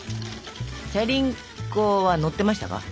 チャリンコは乗ってましたか？